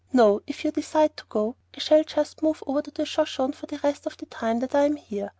No; if you decide to go, I shall just move over to the Shoshone for the rest of the time that I'm here.